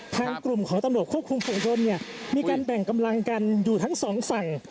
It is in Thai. ทางกลุ่มของตำรวจควบคุมฝุงชนเนี่ยมีการแบ่งกำลังกันอยู่ทั้งสองฝั่ง